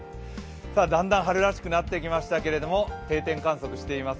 だんだん春らしくなってきましたけれども、定点観測しています